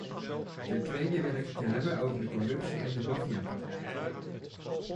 Ten tweede wil ik het hebben over de corruptie en de maffiapraktijken.